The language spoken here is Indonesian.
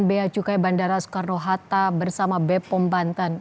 beacukai bandara soekarno hatta bersama bepom banten